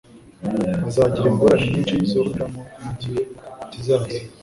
azagira ingorane nyinshi zo kunyuramo mugihe kizaza